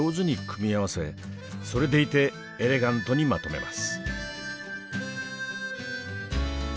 それでいてエレガントにまとめます。